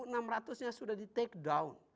enam ratus nya sudah di take down